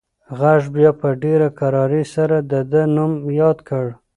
غږ بیا په ډېره کرارۍ سره د ده نوم یاد کړ.